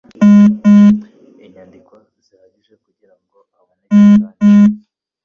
inyandiko zihagije kugirango haboneke kandi